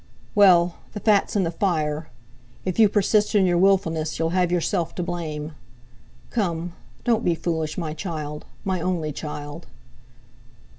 "Well, the fat's in the fire. If you persist in your wilfulness you'll have yourself to blame. Come! Don't be foolish, my child—my only child!"